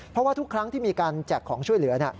เพราะว่าทุกครั้งที่มีการแจกของช่วยเหลือ